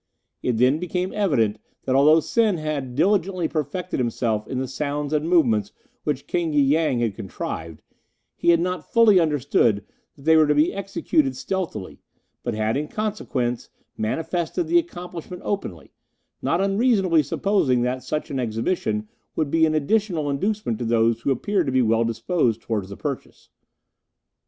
It then became evident that although Sen had diligently perfected himself in the sounds and movements which King y Yang had contrived, he had not fully understood that they were to be executed stealthily, but had, in consequence, manifested the accomplishment openly, not unreasonably supposing that such an exhibition would be an additional inducement to those who appeared to be well disposed towards the purchase.